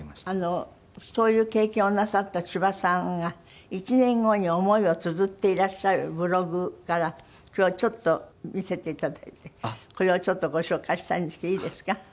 そういう経験をなさった千葉さんが１年後に思いをつづっていらっしゃるブログから今日ちょっと見せて頂いてこれをちょっとご紹介したいんですけどいいですか？